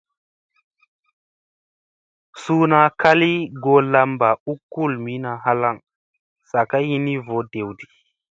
Suuna kali goo lamba u kulmiina halaŋ sa ka hini voo dewdi.